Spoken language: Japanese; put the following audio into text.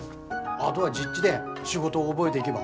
あどは実地で仕事を覚えでいげば。